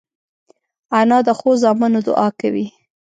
انا د ښو زامنو دعا کوي